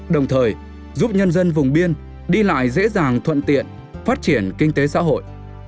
đồng thời giúp nhân dân vùng biên đi lại dễ dàng thuận tiện phát triển kinh tế xã hội